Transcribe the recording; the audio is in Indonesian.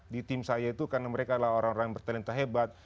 di tim saya itu karena mereka adalah orang orang yang bertalenta hebat